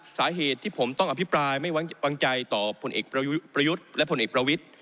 สาเหตุที่ผมต้องอภิปรายไม่วางใจต่อผลเอกประยุทธ์และผลเอกประวิทธิ